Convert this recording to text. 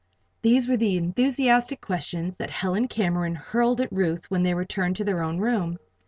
These were the enthusiastic questions that Helen Cameron hurled at Ruth when they returned to their own room.